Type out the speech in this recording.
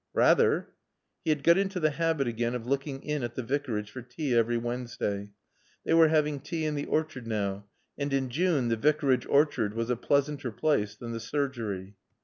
"Rather." He had got into the habit again of looking in at the Vicarage for tea every Wednesday. They were having tea in the orchard now. And in June the Vicarage orchard was a pleasanter place than the surgery.